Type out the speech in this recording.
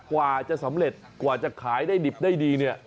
กว่าจะสำเร็จกว่าจะขายได้ดิบได้ดีเนี่ย